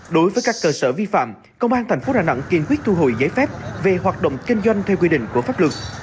đối với các cơ sở vi phạm công an tp đà nẵng kiên quyết thu hồi giấy phép về hoạt động kinh doanh theo quy định của pháp luật